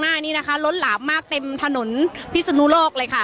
หน้านี้นะคะล้นหลามมากเต็มถนนพิศนุโลกเลยค่ะ